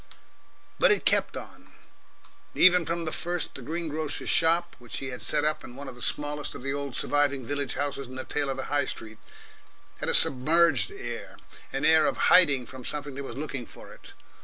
But it kept on. Even from the first the green grocer's shop which he had set up in one of the smallest of the old surviving village houses in the tail of the High Street had a submerged air, an air of hiding from something that was looking for it.